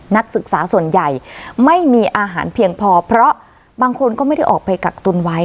นักศึกษาส่วนใหญ่ไม่มีอาหารเพียงพอเพราะบางคนก็ไม่ได้ออกไปกักตุนไว้